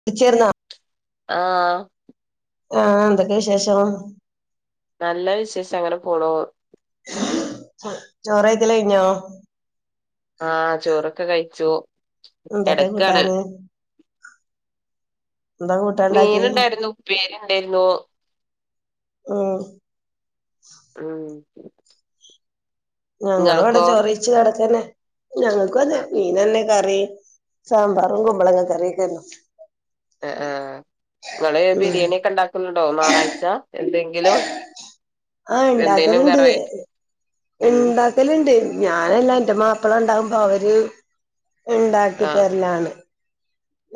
എത്തിച്ചേർന്ന ആ ആഹഎന്തൊക്കെ വിശേഷം [inaudible] നല്ല വിശേഷം അങ്ങനെ പോണൂ ചൊ ചോറയ്ക്കല് കഴിഞ്ഞോ ആ ചോറൊക്കെ കഴിച്ചു എന്തൊക്കെ കിടക്കാണ് കൂട്ടാന് എന്താ മീൻ കൂട്ടാണ്ടാക്കി ഉണ്ടായിരുന്നു ഉപ്പേരി ഉണ്ടായിരുന്നു മൂ ആ ഞങ്ങളും ഇവിടെ നിങ്ങൾക്കോ ചൊറിയിച്ച കിടക്കനെ ഞങ്ങക്കുവതെ ആഹ് മീനന്നെ കറി. സാമ്പറും കുംമ്പളങ്ങ കറിക്കെരുന്നു. അ ആ നിങ്ങള് ഉം ബിരിയാണിക്കെ ഇണ്ടാക്കുന്നുണ്ടോ ഞായറാഴ്ച എന്തെ ആ ഇണ്ടാക്കല്ണ്ട് വെറൈറ്റി ഉം ഇണ്ടാക്കലി ഉണ്ട് ഞാനല്ല എന്റെ മാപ്പള ഉണ്ടാവുമ്പോ അവര് ഇണ്ടാക്കി ആഹ് തരലാണ്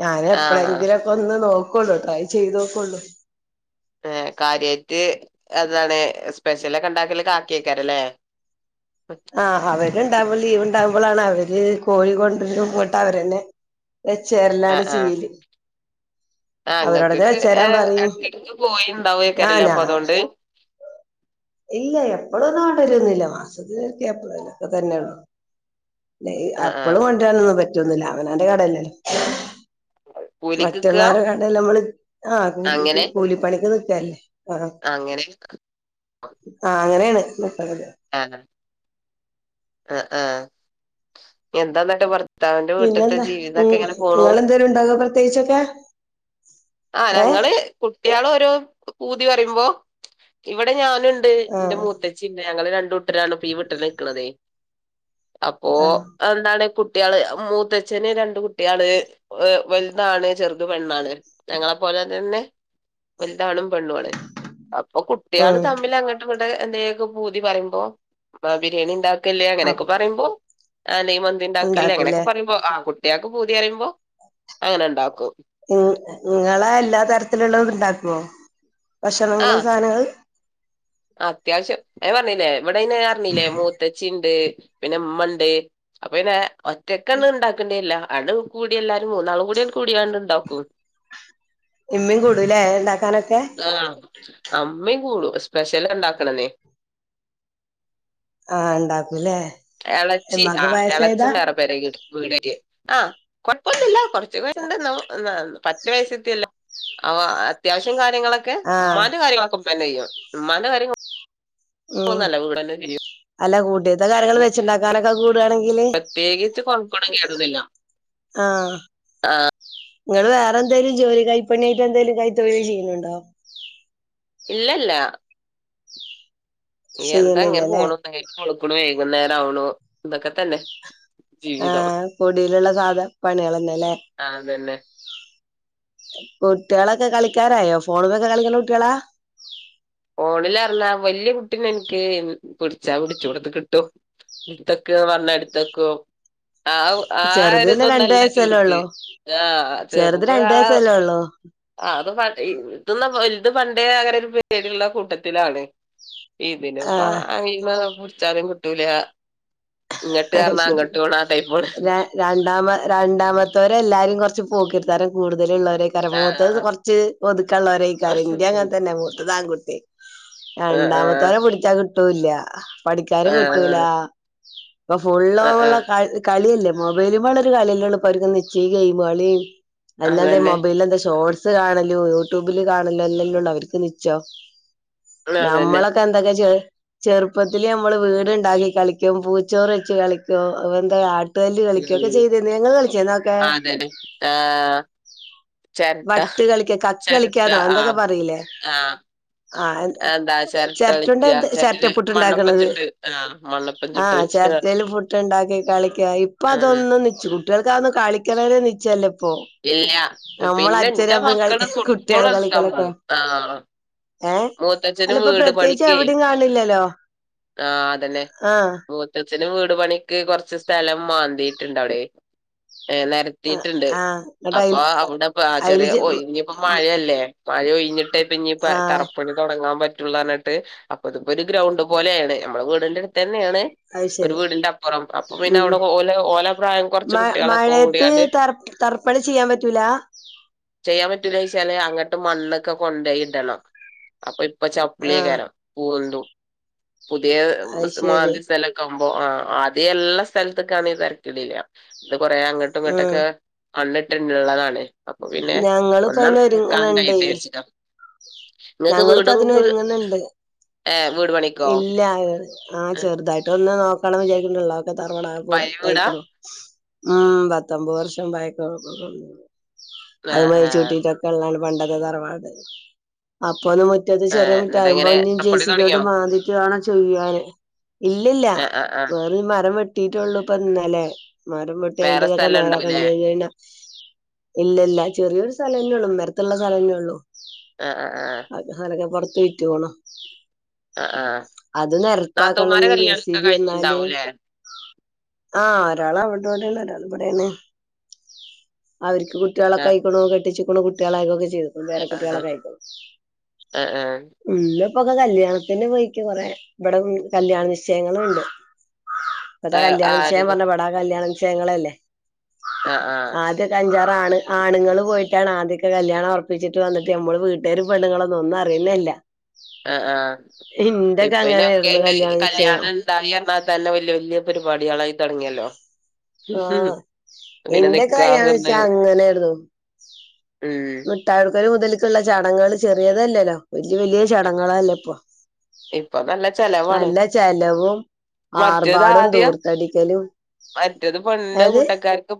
ഞാന് ആഹ് എപ്പളെങ്കിലൊക്കെ ഒന്ന് നൊ കുള്ളൂ ട്രൈ ചെയ്തോകുള്ളൂ ഏ കാര്യാറ്റ് അ താണ് സ്പെഷ്യലക്കെ ണ്ടാക്കില് കാക്കിയക്കാരല്ലേ ആഹ് അവര്ണ്ടാവ ലീ ഉണ്ടാവ മ്പോളാണ് അവര് കോഴി കൊണ്ടുരൻ പോയിട്ട് അവരന്നെ വേചേരലാണ് ചെയീല് ആ ങ്ങക്കക്ക് ഏ പറയും എടക്കടക്ക ആഹ് പോയിണ്ടാവകേരല്ല അപ്പൊ ഞാൻ അതുണ്ട് ഇല്ല എപ്പളൊനോണ്ടരന്നില്ല മാസത്തിലൊരിക്കെ എപ്പോളെലൊക്കെ തന്നെയന് ലെ ആഹ് ആഹ് അപ്പളുണ്ടരാൻ ഒന്നും പറ്റ റ്റുന്നുല്ല അവനാന്റെ കടയലല്ലോ കൂലിക്ക് നിക്കാ മറ്റുള്ളവരെ കണ്ടല്ലേ നമ്മള് ആ കൂലി അങ്ങനെ കൂലിപ്പണിക്ക് നിക്കല്ലേ ആ അങ്ങനെ ആ അങ്ങനെയാണ് [unintelligible] ആ ആ ആ നിഎന്താന്നട്ട് പറ ഭർത്തവിന്റെ വീട്ടത്തെ പിന്നെന്താ ഉം ജീവിതവെക്കെ എങ്ങനെ പോണു നിങ്ങളെന്തേലും ഉണ്ടാക്കോ പ്രത്യേകിച്ചൊക്കെ ആ ഏഹ് ഞങ്ങള് കുട്ടികളൊരോ പുതി പറേമ്പോ ഇവിടെ ഞാൻ ണ്ട് ന്റെ ആഹ് മൂതേച്ചിണ്ട്. ഞങ്ങള് രണ്ടുട്ടരാണ് ഇപ്പ ഈ വിട്ടില് നിൽക്കണതേ അപ്പോ ആഹ് എന്താണ് കു കുട്ടികള് മൂത്തച്ഛന് രണ്ട് കുട്ടികള് വലുതാണ് ചെറുത് പെണ്ണാണ് ഞങ്ങളെപ്പോലെ തന്നെ വലുതാണും പെണ്ണുമാണ് അപ്പൊ കുട്ടികള് ഉം തമ്മിൽ അങ്ങോ ഇ [unintelligible] ഊതി പറിയുമ്പോ ബ ബിരിയാണി ഇണ്ട ക്ക്ല്ലേ അ അങ്ങനെയൊക്കെ പറയ്മ്പോ ആഹ് നിമന്തിണ്ടാകില്ലേയ് ഇങ്ങനൊക്കെ ഉണ്ടാക്കൂലേ പറയ്മ്പോ ആ കു കുട്ടിയക്ക് പൂതിയറയുമ്പോ അങ്ങനെ ഇണ്ടാക്കും ഉം നിങ്ങളെ എല്ലാ തരത്തിലുള്ളതും ഉണ്ടാക്ക വോ ഭക്ഷണങ്ങള് ആഹ് സാധനങ്ങള് അത്യാവശ്യം ഞൻ പറഞ്ഞില്ലേ ഇവിടെെയ് അയിന് പറഞ്ഞില്ലേ മൂത്തച്ചിണ്ട് പിന്നെ ഉമ്മണ്ട് അപ്പൊ പിന്നെ ഒറ്റക്കന്നും ഉണ്ടാക്കേണ്ടിണ്ടേല്ല അണ് കൂടി എല്ലാരും മൂന്നാളും കൂടി കൂടിയാണ്ട് ഉണ്ടാക്കും ഉമ്മം കൂടൂലേ ഉണ്ടാക്കാനൊക്കെ ആഹ് ഇമ്മിം കൂടും സ്പെഷ്യൽ ഉണ്ടാക്ക്ണന്നേ ആഹ് ഉണ്ടാക്കൂല്ലേ എളച്ചി ഇമ്മാക്ക് ആ പായസായതാ ഇളച്ചം വേറെ പേര വീടെക്കെ ആഹ് കൊഴപ്പില്ല കൊറ ച്ച് [unintelligible] ന്നാ പറ്റെ അത്യാ വയസത്തിഅല്ല ഓഹ് അത്യാവശ്യം കാര്യ കാര്യങ്ങളൊക്കെ ആഹ് ഉമ്മാന്റെ കാര്യങ്ങളൊക്കെ നല്ലയ്യോ ഉമ്മാന്റെ കാര്യം ഉ ഉം ന്നല്ല വീടെന്നെ [unintelligible] അല്ല കൂട്ടെത് ദ കരങ്ങള് വെച്ച്ണ്ടാക്കാനൊക്കെ കൂടാണെൻ പ്രത്യേകിച്ച് കൊൺകെടൊകെ റ്റുന്നില്ല ആഹ് ങ്ങള് വേറെന്തേലും ജോലി കൈപ്പണിയായിട്ട് എന്തേലും കൈ തൊഴിൽ ചെയ്യുന്നുണ്ടോ? ഇല്ലല്ല ഈ എന്താ ഇങ്ങനെ ചെയ്യണില്ലല്ലേ പോണു കൊളുക്കുണേ വൈകുന്നേരാവുണു തൊക്കെ തന്നെ ജീവിതം ആഹ പൊടിയിലുള്ള സാധ പണികൾ തന്നെല്ലേ അതന്നെ കുട്ടികളൊക്കെ കളിക്കാരായോ ഫോണിലൊക്കെ കളിക്കണ കുട്ടികളാ ഫോണിലറഞ്ഞാ വല്യ കുട്ടീെ എനിക്ക് പിടിച്ചാ പിടിച്ച കട കിട്ടും എടുത്തക്കന്ന് പറഞ്ഞാ എടുത്തക്കും ആ ചെറുത് പിന്നെ രണ്ട് ആരിതൊന്നല്ല വയസ്സല്ലേ ചെറുത് ഉള്ളൂ ആഹ് ചെറുത് രണ്ട് ആ വയസ്സല്ലേ ഉള്ളൂ അ അത് പ ഇലത് പണ്ടേ പേടിയുള്ള കൂട്ടത്തിലാണ്. ഇതിന്പ്പ ആഹ് ആ അച്ചാലും കിട്ടൂല. ഇങ്ങട്ട് അ പറഞ്ഞാ ശരി അങ്ങട്ട് പോണ ആ ടൈപ്പാണ് ര രണ്ടാമ രണ്ടാമത്തെ ഇത്തവരെല്ലാരും കുറച്ച് പോക്രിത്തരം കൂടുതലുള്ളവ മൂത്തത് ആഹ് കുറച്ച് ഒതുക്കാനുള്ളവരായി എൻറെ അങ്ങനെ തന്നെ മൂത്തത് ആൺ എ ആഹ് രണ്ടാമത്തോരെ പിടിച്ചാ കിട്ടു ഒട്ടുംല്ലാ പഠിക്കാനും കിട്ടൂല ആഹ് ഉ ഇപ്പൊ ഫുൾ ആഹ് ഉള്ള ആഹ് ക കളിയല്ലേ മൊബൈലും വാളൊരു കാലയല്ലേ ഉള്ളൂ ഇപ്പർക്കെച്ച ഗെയിമു കളിയായി അന്ന ദേ അതന്നെ മൊബൈൽ എന്താ ഷോ ന്ത് കാണലോ യൂട്യൂബില് കാണലോ എല്ലെല്ലാം ഉണ്ട അവർക്ക് നിച്ചോ ആ അതന്നെ ഞമ്മളൊക്കെ എന്തൊക്കെ ചെയ്യാ ചെറുപ്പത്തില് നമ്മള് വീടുണ്ടാക്കി കളിക്കും പൂ ചോറ് വച്ച് കളിക്കും വന്ത തല് കളിക്കോക്കെ ചെയ്തിരുന്നു നിങ്ങൾ കളിക്കോ അതെ ആഹ വട്ട് കളിക്ക കക്ക് ചെരട്ട കളിക്കാന്നോ ആ എന്തൊക്കെ പറയിലേ ആ ആ എന്താ ചെരട്ട കളിച്ച ചിരട്ടണ്ട് ചിരട്ട ചെരട്ടല് പുട്ട് മണ്ണപ്പം ഉണ്ടാക്കണത് ചുട്ട് ആ മണ്ണപ്പം ചുട്ട് ആഹ കളിച്ച ചിരട്ടയിൽ പുട്ട് ഉണ്ടാക്കി കളിക്ക ഇപ്പ ആ അതൊന്നും നിച്ച് കുട്ടികൾക്ക് അതൊന്നും കളിക്കണതെ നിശ്ചയില്ല ഇല്ല [inaudible] [unintelligible] പിന്നെ എന്റെ അമ്മയും മക്കള കളിക്ക ഫുട്ബോൾ കുട്ടികള് കളിക്കലൊക്കെ കളിച്ചിട്ടുണ്ടാവുക ആ ഏഹ് അല്ല മൂത്തച്ഛനും ഇപ്പൊ വീട് പ്രത്യേകിച്ച് പണിക്കെ എവിടെയും കാണില്ലല്ലോ ആ അതന്നെ ആഹ് മൂത്തച്ഛനും വീട് പണിക്ക് കൊറച്ച് കുറച്ച് സ്ഥലം മാന്തിട്ടുണ്ട് അവിടെ ഏ നിരത്തിട്ടുണ്ട് ആഹ് ഇങ്ങട്ട് അപ്പൊ അയില് അവിടെ പ അയില് ചെറിയ ചെ ഇനിയിപ്പോ മഴയല്ലേ മഴ ഒഴിഞ്ഞിട്ട്പ്പ ഇനി കറ ആഹ് പണി തുടങ്ങാൻ പറ്റൂലാന്ന് പറഞ്ഞിട്ട് അപ്പതിപ്പോ ഒരു ഗ്രൗണ്ട് പോലെയാണ് നമ്മുടെ വീടിന്റെടുത്ത് അത് ഒരു ശരി വീടിന്റെ അപ്പുറം അപ്പൊ പിന്നെ ഉം അവിടെ ഓല ഓല പ്രായം കുറച്ച് മ കുട്ടികളൊക്കെ മഴയത്ത് കൂടിയാണ്ട് തർ തർപ്പണി ചെയ്യാൻ പറ്റൂല ചെയ്യാൻ പറ്റൂല ചെളി അങ്ങോട്ട് മണ്ണൊക്കെ കൊണ്ടെ ഇടണം അപ്പ ഇ ഇപ്പ ആഹ് ചപ്പിളിക്കാര പൂരിണ്ടു പുതിയ അത് ശരി മാന്ദ്യ സ്ഥലം കം മ്പോ ആ അത് എല്ലാ സ്ഥലത്തക്കാന്ന് തരക്കടില്ല ത് കൊറേ അങ്ങട്ടും ഇങ്ങട്ടൊക്കെ മണ്ണ്ട്ടള്ളതാണ് ഞങ്ങള് പോ അയ്‌ന് ഒരുങ്ങ്ണ് ണ്ടേ കഴിയട്ടെ വിചാരിച്ചിട്ടാ നിങ്ങക്ക് ഞങ്ങളിപ്പോ വീടും അതിന് കു ഒരുങ്ങുന്നുണ്ട് ഏ വീട് പണിക്കോ ഇല്ല ആ ഏ, ചെറുതായിട്ട് ഒന്ന് നോ കള [unintelligible] തറവാടാ പൊ പഴയ വീടാ തായിക്ക്‌ണോ ആ പത്തൊമ്പത് വർഷം പയക്ക ആ ആ [unintelligible] പണ്ടത്തെ തറവാട് അപ് അപ്പൊന്ന് മുറ്റത്ത് ആ ചെറിയ മുറ്റ എന്നിട്ട് ആകുമ്പോ എങ്ങനെ ഞ്ഞി ജെ പുറപ്പണി സി ബിഓണ്ട് തുടങ്ങിയോ മാന്തിട്ട് വേണം ചെയ്യാന് ഇല്ലില്ല ആ ആ ആ വേറൊരു മരം വെട് കിട്ടിട്ടെള്ളൂ പൊ ഇന്നലെ മരംവെട്ടി വേറെ അയ്ന്റെതൊക്കെ സ്ഥലം നേരാ ക ഉണ്ടാവൂല്ലേ [unintelligible] ഇല്ല ല്ല ചെറിയൊരു സ്ഥലംന്നെള്ളൂ മ്മര്ത്ത്ള്ള സ്ഥലംന്നേള്ളു ആ ആ ആ അത് [unintelligible] ഴക്ക് പോണ [unintelligible] ആ ആ അത് നെരപ്പാക്കണം നാത്തൂമാരെ ഞ്ഞി ജെ കല്യാണൊക്കെ സിബി വന്നാല് കഴിഞ്ഞിണ്ടാവൂല്ലേ ആ ഒരാള് അവടെവിടൊണ് ഒരാളവിടെണ് അവര് ആ കുട്ടിളൊക്കെയിക്കുണോ കെട്ടിച്ചി കുണു കുട്ട്യാള് [unintelligible] ഇന്ക്കും പേരകുട്ടിളൊക്കെയിക്ക് ണ് അ ആ ഇപ്പൊക്കെ കല്യാണത്തിന് പോയിക്ക് കൊറേ ഇവടെ- കല്യാണ നിശ്ചയങ്ങളുണ്ട് ഇപത്തെ ആ കല്യാണ നിശ്ചയം പ ആരില് റഞ്ഞ ബടാ കല്യാണ നി ശ്ചയങ്ങളല്ലേ ആ ആ ആദ്യക്കൊൺചാ ആണ് ആണുങ്ങള് പോയിട്ടാണ് ആദ്യക്കെ കല്യാണം ഒർപ്പിച്ചിട്ട് വന്നിട്ട് നമ്മള് വീ രു പെണ്ണുങ്ങളൊന്നും ഒന്നും അറിയലേല്ല ആ ആ അങ്ങനെയായിരുന്നു ഇപ്പൊയ്നൊക്കെയായിട്ട് കല്യാണ നിശ്ചയം കല്യാണം ണ്ടായി ന്ന തന്നെ വല്യ വല്യ പരിപാടികളായി തുടങ്ങി ഹലോ ആഹ് എന്റെ നിക്കാഹ് ഉം കല്യാണംന്വെച്ചാ അങ്ങനെയായിരുന്നു മിട്ടാ ഇവര് മുതലുക്കുള്ള ചടങ്ങുകൾ ചെറിയതല്ലല്ലോ വലിയ വലിയ ചടങ്ങുകളല്ലേ ഇപ്പോ ഇപ്പൊ നല്ല ചെലവാണ് നല്ല ചെലവും ആർബാടവും ധൂർത്തടിക്കലും മറ്റതും പെണ്ണിന്റെ കൂട്ടക്കാർക്കും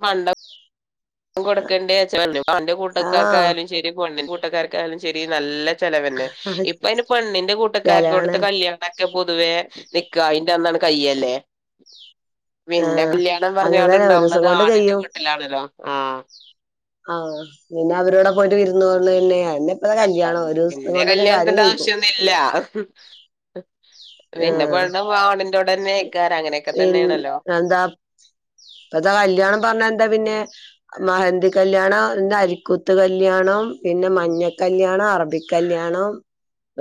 കൊടുക്കണ്ടേച്ച് ണല്ലോ ഓന്റെ ആഹ് കൂട്ടക്കാർക്കായാലും ശരി പെണ്ണിന്റെ കൂട്ടക്കാർക്കായാലും ശരി. നല്ല ചെലവന്നെ ഇപ്പ അയിന് പെണ്ണിന്റെ കൂട്ടക്കാർക്ക് കൊടുത്ത ചെലവാണ് കല്യാണൊക്കെ പൊതുവേ നിക്കാഹിൻ്റെ അന്നാണ്ട് കയ്യല്ലേ പിന്നെ ആഹ് കല്യാണം അങ്ങനെ പറഞ്ഞാണ്ട് തന്നെ ഒരു ദിവസം ഉണ്ടാവണത് കൊണ്ട് ആണിന്റെ കഴിയും വീട്ടിലാണല്ലോ. ആഹ് ആഹ് പിന്നെ അവരുടെ [unintelligible] വിരുന്ന് [unintelligible] കല്യാണം ഒരു ദിവസം പിന്നെ കൊണ്ട് തന്നെ കാര്യം കല്യാണത്തിന്റെ കഴിക്കും ആവശ്യന്നുല്ല. പിന്നെ ആഹ് പെണ്ണ് ആണിൻ്റോടെ ന്നേയ്ക്കാരം. അങ്ങനെയൊക്കെ തന്നേണല്ലോ. ഇപ്പത്ത കല്യാണം പറഞ്ഞ എന്താ പിന്നെ മെഹന്തി കല്യാണം അരിക്കൂത്ത് കല്യാണം പിന്നെ മഞ്ഞക്കല്യാണം, അറ ബി കല്യാണോം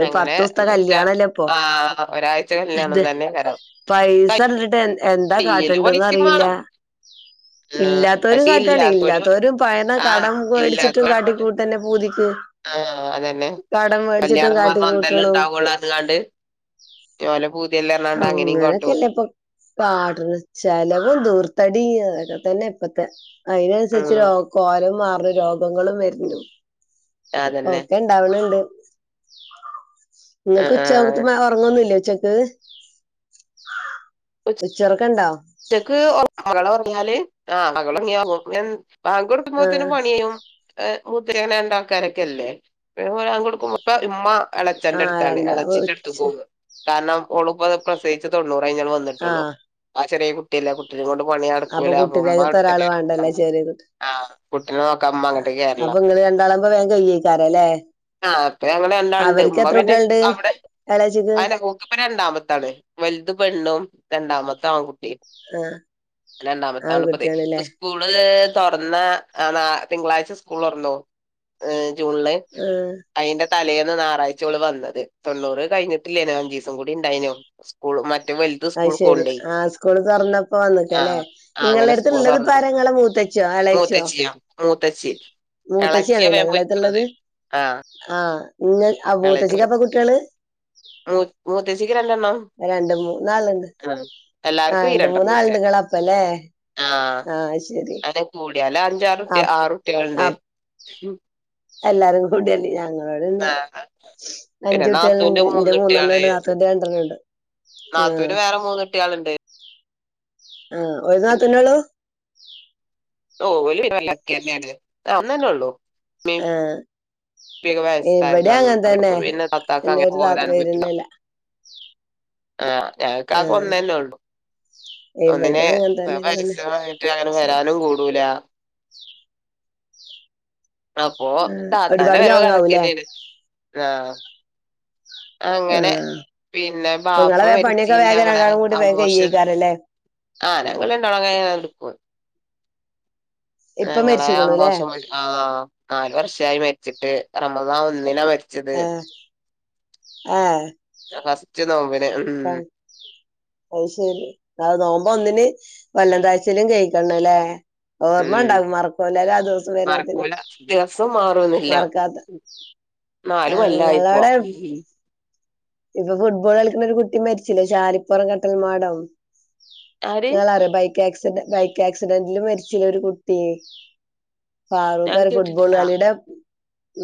അങ്ങനെ [unintelligible] ആഹ് ഒരാഴ്ച കല്യാണം ഇത് തന്നെ [unintelligible] [unintelligible] എന്താ കാട്ടണ്ടന്ന് അറിയില്ല ആഹ് ഇല്ലാത്തവരും പക്ഷെ കാട്ടാണ് ഇല്ലാത്തോല് ഇല്ലാത്തവരും പഴന ആഹ് കടം മേടിച്ചിട്ടും ഇല്ലാത്തോലാണ് പണേ കാട്ടിക്കൂട്ടന്നെ പൂതിക്ക് ആഹ് അതന്നെ കടം മേടിച്ചിട്ടും കല്യാണം പറഞ്ഞാ കാട്ടിക്കൂട്ടണു എന്തെല്ലെണ്ടാവും [unintelligible] പ ഓലെ പൂതിയല്ലേ പറഞ്ഞാണ്ട് അങ്ങനെയും കാട്ടും അങ്ങനക്കയെല്ലിപ്പ കാട്ട്ണ് ചെലവും ധൂർത്തടി അതൊക്കെ തന്നെ ഇപ്പത്തെ ഉം അയിനനുസരിച്ചൊരൊ കോലം മാറ് ര് രോഗങ്ങളും വരുന്നു അതന്നെ ഒക്കെ ഇണ്ടാവ്ണ് ണ്ട് ങ്ങക്ക് ആഹ് ഉച്ചാവുമ്പത് ആഹ് മാ ഒറങ്ങൊന്നുല്ലേ ച്ചക്ക് ഉച്ചർക്കണ്ടോ? ച്ചക്ക് ഒറങ്ങും മകള് ഒറങ്ങിയാല് ആഹ് [unintelligible] ഇങ്ങനെ [unintelligible] വാങ്ക് ആഹ് വിളിക്കുമ്പത്തേനും പണിയിം ആഹ് മുത്തര അങ്ങനണ്ടാൾക്കാരൊക്കില്ലേ പിന്നെ [unintelligible] കൊടുക്കുമ്പ ഇമ്മ ഇളയച്ഛന്റെ ആഹ് അടുത്താണ് രണ്ടാ ഇളയച്ഛന്റെ അടുത്ത് പോവും കാരണം ഉളുമ്പ് പ്രെസവിച്ചതെ ഒള്ളു ഞാൻ ഇങ്ങട് വന്നിട്ടുള്ളൂ ആഹ് ചെറിയ കുട്ടിയല്ല ആ കുട്ടിനെകൊണ്ട് പണി അപ്പൊ നടക്കൂലു ഇപ്പം മ്മ കുട്ടിന്റെകത്ത് ഒരാള് അവിടെത്തന്നേണ് വാണ്ടല്ലേ ചെറിയ കുട്ടി ആഹ് കുട്ടീനെ നോക്കമ്മ അങ്ങ്ട്ട് അപ്പൊ [unintelligible] ഇങ്ങള് രണ്ടാളാവുമ്പോ വേം കയ്യേക്കാരല്ലേ ആ അപ്പ അങ്ങ രണ്ടാളുണ്ട് അവര്ക്ക് ഉമ്മ എത്ര പിന്നെ കുട്ട്യാള്ണ്ട് അവിടെ എളേച്ചിക്ക് ഓക്കിപ്പ രണ്ടാമത്താള് വലുത് പെണ്ണും രണ്ടാമത്താൺ ട്ടി ആഹ് രണ്ടാമത്താണിപ്പതേ ഇപ്പം ആൺകുട്ട്യാണ്ല്ലേ സ്കൂള് തുറന്ന ആന്നാ തിങ്കളാഴ്ച്ച സ്കൂള് തൊറന്നു ജൂണില് ആഹ് അയിൻ്റ തലേന്ന് ഞായറാഴ്ച്ച ഇവള് വന്നത് തൊണ്ണൂറ് കഴിഞ്ഞിട്ടില്ലേനൊ അഞ്ചൂസം കൂടി ഇണ്ടായിനു സ്കൂൾ മ അയ് ശരി ആ സ്കൂൾ പറഞ്ഞപ്പോ വന്നിക്കല്ലേ ആഹ് ആഹ് അങ്ങനെ സ്കൂള് നിങ്ങൾടെടുത്ത്ള്ളത് ഇപ്പ തുറന്നതാ ആരാ ഇങ്ങട മൂത്തേച്ചിയോ എളേച്ചിയോ മൂത്തച്ചിയോ മൂത്തച്ചി മൂത്തേച്ചാ എളച്ചിയാ ആണ്ല്ലേ വേം നിങ്ങള അടുത്ത്ള്ളത് പോയിക്ക്ണത് ആഹ് ആഹ് ഇങ്ങ ആ എളേ ബൂത്തേച്ചിക്കാപ്പ കുട്ടികള്- മൂ മൂത്തച്ചിക്ക് രണ്ടെണ്ണം രണ്ട് മൂന്നാളുണ്ട് ആഹ് ആ എല്ലാർക്കും ഈ രണ്ട് രണ്ടെണ്ണംച്ചെ മൂന്നാള്ളുണ്ട്അപ്പോല്ലേ ആഹ് ശരി- എലാം അഞ്ചാറുട്ടിയ അപ് ആറുട്ടികളുണ്ട് അപ് എല്ലാരും കൂടിയല് ഞങ്ങ- എവിടെണ്ട് ആഹ് പിന്നെ അഞ്ചു നാത്തൂന്റെ കുട്ടികളുണ്ട് എന്റെ മൂന്നെണ്ണം മൂന്നുട്ടികള് ഉണ്ട്, നാത്തുന്റെ രണ്ടെണ്ണം ഉണ്ട്. ആ നാത്തൂന് വേറെ മൂന്ന് കുട്ടികൾ ഉണ്ട്. ആഹ് ഒരു നാത്തൂനുള്ളു. ഓ ഓള് ലക്കി തന്നെ ആണ് ഒന്ന് തന്നെ ഉള്ളു- ആഹ് - ത്തിരിവയസായിരുന്നാലും അപ്പ പിന്നെ തത്താക്ക് എന്റെ അങ്ങനെ ഒരു താത്ത പോരാനും പറ്റില്ല- വരുന്നില്ല ആഹ് - ആ ഞങ്ങക്ക്ആകെ ഒന്ന് തന്നെ ഉള്ളു ഇവിടെ ഒന്നിനെ അങ്ങനെ തന്നെ തന്നെ പൈസമായിട്ട് അങ്ങനെ ശരി വരാനും കൂടൂല- അപ്പൊ ആ താത്ത്- അന്റെ ഒരുപാട് വരവ് ലോങ് ആവൂല്ലേ അതൊക്കെതന്നെണ്- ആഹ് അങ്ങനെ ആഹ് പിന്നെ ബാപ്പ നിങ്ങളെ പണിയൊക്കെ മരിച്ചീന്റെ വേഗം ഞങ്ങളെ രണ്ടാളും കൂടി വേഗം അമോഷൻ കയ്യൂക്കാരല്ലേ ആഹ് ഞങ്ങള് രണ്ടാളും അങ്ങനെ എടുക്കു ഇപ്പൊ ഞങ്ങളെ മരിച്ചുക്കണു അല്ലേ [unintelligible] ആഹ് നാല് വർഷായി മരിച്ചിട്ട് റമദാൻ ഒന്നിനാ മരി ആഹ് ആഹ് ഫസ്റ്റ് നോമ്പി ആഹ് അയ് ശെരി അത് നോമ്പ് ഒന്നിന് വല്ലം താഴ്ച്ചിലും [unintelligible] ല്ലേ ഓർമ്മ ഉം ഇണ്ടാവും മറക്കുലല്ല ആ ദിവസം വരുമ്പോത്തെന് മറക്കൂല ദിവസം മാറൊന്നില്ല മറക്കാത്ത നാല് കൊല്ലായിപ്പോ ഞങ്ങളുടെ ഇപ്പോ ഫുട്ബോൾ കളിക്കണ ഒരു കുട്ടി മരിച്ചില്ലേ ഷാരിപ്പുറം കട്ടൽമാടം ആര് ങ്ങളറിയോ ബൈക്ക് ക്കാസിഡ് ബൈക്ക് ആക്സിഡൻറ്റില് മരിച്ചില്ലേ ഒരു കുട്ടിയെ ഞാൻ ഫാറുക്കർ ഫുട്ബോൾ കേട്ടിട്ടില്ല കളിടെ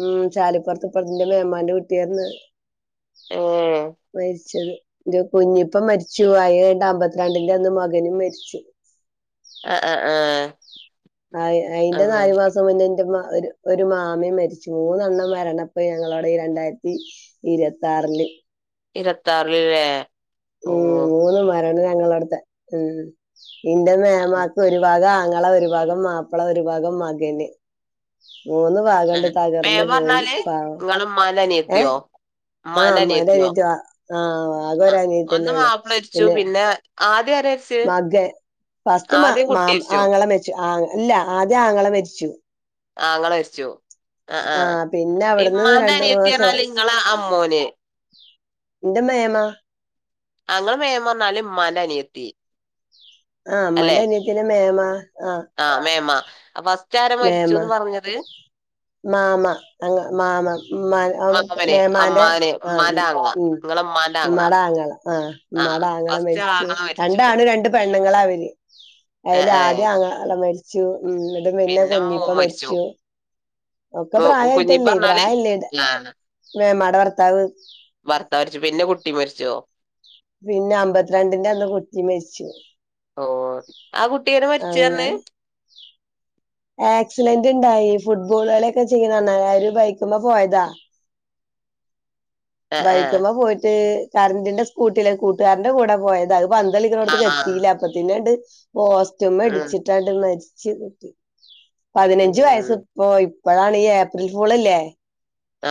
ഉം ചാലിപ്പൊറത്ത്പ്പറത്തിന്റെ മേമാന്റെ കുട്ടിയാന്ന് ഏഹ് മരിച്ചത് ൻ്റെ കുഞ്ഞിപ്പോ മരിച്ചു ആയ് കയ്ഞ്ട്ട് അമ്പത്തിരണ്ടിന്റെ അന്ന് മകനും മരിച്ചു ആഹ് ആഹ് ആ ആ അയിന്റെ നാലു മാസം മുന്നേന്റെ ഉമ്മ ഒരു ഒരു മാമ മരിച്ചു മൂന്നെണ്ണം മരണപ്പ ഞങ്ങളോടെ ഈ രണ്ടായിരത്തി ഇരുപത്തിയാറില് ഇരുപത്താറ്ല്ല്ലേ ഉം മൂന്ന് മ മരണ് ഞങ്ങളെട്ത്തെ ഉം ഇന്റെ മേമാക്ക് ഒരു വകാ ആങ്ങള ഒരുഭാഗം മാപ്പിള ഒരുഭാഗം മകന് മൂന്ന് ഭാഗാണ്ട് വേം തകർന്ന് പോയി പറഞ്ഞാല് പാവം ഇങ്ങളെ ഇമ്മാന്റെ ഏ അനിയത്തിയോ ആ ഇമ്മാന്റെ ഉമ്മാൻ്റെ അനിയത്തിയോ അനീയത്തി ആ ആകെ ഒരു ഒരനി ദ്യം മാപ്പിള മരിച്ചു പിന്നെ ആ മകൻ ഫസ്റ്റ് മാ ആദ്യം കുട്ടി മാം മരിച്ചു ആങ്ങള മരിച്ചു ആങ് ഇല്ല ആദ്യം ആങ്ങള മരിച്ചു ആങ്ങള മരിച്ചു ആ ആഹ് പിന്നെ അവിടുന്ന് ഇമ്മാന്റെ രണ്ടു മാസം അണിയത്തിഞ്ഞാൽ നിങ്ങളെ അമ്മോന് ന്റെ മേമാ അങ്ങൾ മേമ വന്നാലും മാന്റെ നിയത്തി ആഹ മാന്റെ നിയത്തിനെമേമ ആഹ മാേമ അപ്പൊ മേമ മാമ നങ്ങ മാമ മ്മാ മാമന് മേമാന്റെ അമ്മാന് ആ ഇമ്മാന്റെ ആങ്ങള ഇങ്ങളെ ഇമ്മാന്റെ ആങ്ങള മടാങ്ങള ആഹ ആഹ് മടാങ്ങള ഫസ്റ്റ് മരിച്ചു ആങ്ങള മരിച്ചു രണ്ടാണ് രണ്ട് പെണ്ണു ങ്ങളാവലി അയില് ഏഹ് ഏഹ് ആദ്യം അങ്ങള മരി ഉം [unintelligible] പിന്നെ കുഞ്ഞിപ്പ മരിച്ചു ഒക്കെ മോ- കുഞ്ഞിപ്പ പ്രായയിട്ടല്ലേ പറഞ്ഞാല് പ്രായല്ലേടെ ആഹ് മേമാട ഭർത്താവ് ഭർത്താവ് മരിച്ചു പിന്നെ കുട്ടി മരിച്ചോ പിന്നെ അമ്പത്തിരണ്ടിന്റെ അന്ന് കുട്ടി മരിച്ചു ആ കുട്ടിയനെ മരിച്ച് പറഞ് അങ്ങനെ ആക്സിഡന്റ് ഉണ്ടായി ഫുട്ബോളുകളിയൊക്കെ ചെയ്ണന്ന് അവര് ബൈക്കുമേ പോയതാ ആഹ് ബൈക്കുമ്മ പോയിട്ട് കറന്റിന്റെ സ്കൂട്ടിയിലെ കൂട്ടുകാരന്റെ കൂടെ പോയത് അത് ളിക് നോടാതക് ആഹ് ആഹ് എത്തിയില്ല അപ്പ ത്തിന്നണ്ട് പോസ്റ്റ്യൂം ഉം അടിച്ചിട്ടായി ചതട്ടി പതിനഞ്ച് വയസ്സ് ഉം പോയി ഇപ്പോഴാണ് ഈ ഏപ്രിൽ ഫുൾല്ലേ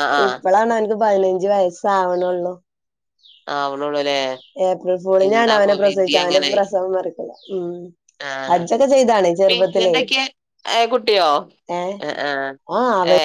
ആഹ് ആഹ് ഇപ്പളാണോന്ക്ക് പതിനഞ്ചു അ [unintelligible] സാ ആവണള്ളൂ ആവണൊള്ളൂല്ലേ ഏപ്രിൽ ഫൂളിനാണ് അവനെ പ്രസവിച്ചു അവന്റെ പ്രസവം മറ ഉ [unintelligible] ആഹ പിന്നെ ചെറുപ്പത്തിലേ എന്തൊക്കെയ ഏ കുട്ടിയോ ഏഹ് അ ആ ആഹ് അവ ഏ